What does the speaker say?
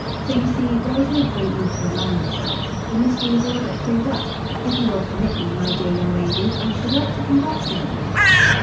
"So you see, there is no great need to alarm yourself. The mystery is all but cleared up. If you will permit me, my dear young lady, I should like to congratulate you."